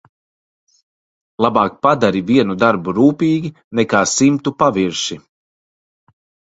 Labāk padari vienu darbu rūpīgi nekā simtu pavirši.